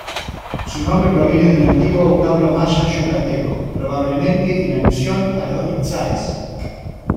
Su nombre proviene de un antiguo vocablo maya-yucateco, probablemente en alusión a los itzáes.